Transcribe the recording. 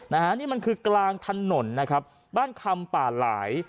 นะฮะนี่มันคือกลางถนนนะครับบ้านคำป่าหลาย